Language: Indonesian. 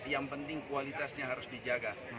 yang penting kualitasnya harus dijaga